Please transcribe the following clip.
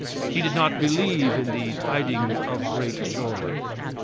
He did not believe in the "tidings of great joy."